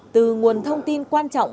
từ nguồn thông tin quan trọng